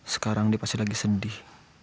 sekarang ini pasti lagi sedih